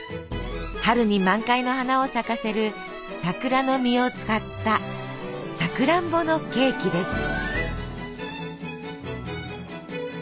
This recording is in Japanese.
春に満開の花を咲かせる桜の実を使ったさくらんぼのケーキです。